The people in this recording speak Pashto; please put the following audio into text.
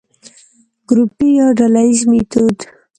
ګروپي يا ډلييز ميتود: